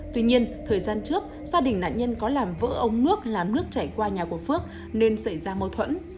tuy nhiên thời gian trước gia đình nạn nhân có làm vỡ ống nước làm nước chảy qua nhà của phước nên xảy ra mâu thuẫn